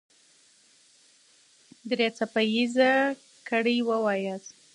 درې څپه ايزه ګړې وواياست.